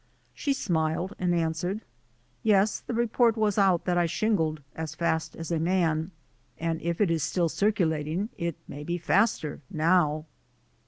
She smiled and answered: "Yes, the report was out that I shingled as fast as a man, and if it is still circulating it may be faster now!"